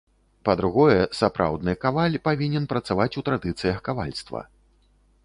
Па-другое, сапраўдны каваль павінен працаваць у традыцыях кавальства.